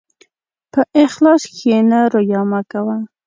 په اخلاص کښېنه، ریا مه کوه.